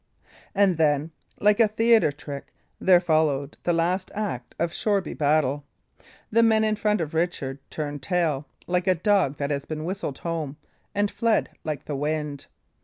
And then, like a theatre trick, there followed the last act of Shoreby Battle. The men in front of Richard turned tail, like a dog that has been whistled home, and fled like the wind.